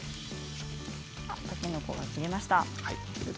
たけのこが切れました。